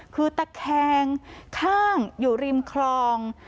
คือตะแคงข้างอยู่ริมคลอง